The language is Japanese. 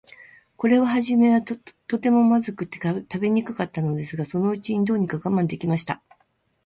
これははじめは、とても、まずくて食べにくかったのですが、そのうちに、どうにか我慢できました。